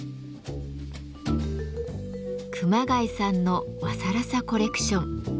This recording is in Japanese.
熊谷さんの和更紗コレクション。